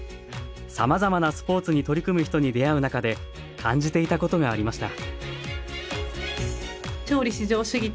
さまざまなスポーツに取り組む人に出会う中で感じていたことがありました